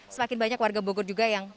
semakin banyak warga bogor juga yang